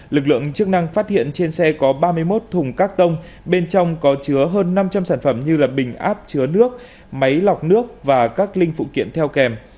lực lượng chức năng phát hiện trên xe có ba mươi một thùng các tông bên trong có chứa hơn năm trăm linh sản phẩm như bình áp chứa nước máy lọc nước và các linh phụ kiện theo kèm